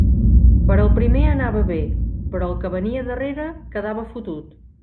Per al primer anava bé, però el que venia darrere quedava fotut.